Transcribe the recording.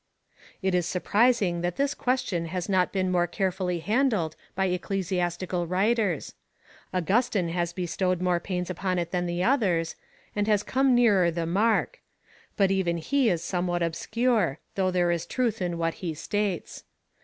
It is surprising that this question has not been more care fully handled by ecclesiastical writers. Augustine has be stowed more pains upon it tlian the others, and has come nearer the mark ;^ but even he is somewhat obscure, though there is truth in what he states.